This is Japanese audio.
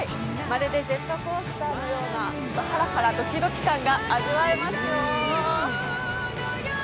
まるでジェットコースターのようなハラハラドキドキ感が味わえますよ。